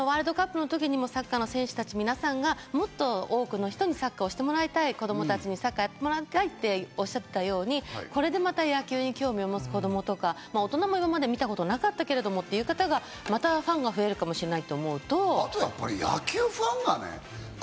ワールドカップの時にもサッカーの選手たち、皆さんがもっと多くの人にサッカーをしてもらいたい、子供たちにサッカーをやってもらいたいとおっしゃったように、これでまた野球に興味を持つ子供とか、これ、大人もこれまで見たことなかったかもという方もファンが増えるかもしれない。